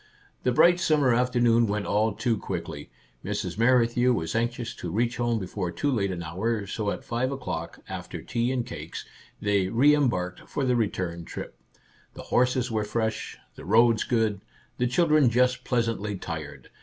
The bright summer afternoon went all too quickly. Mrs. Merrithew was anxious to reach home before too late an hour, so at five o'clock, after tea and cakes, they " reem barked " for the return trip. The horses were fresh, the roads good, the children just pleasantly tired.